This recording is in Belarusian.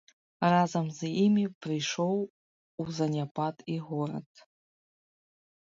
Разам з імі прыйшоў у заняпад і горад.